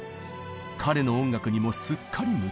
彼の音楽にもすっかり夢中に。